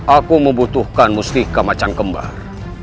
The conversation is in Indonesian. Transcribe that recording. aku membutuhkan mustika macan kembar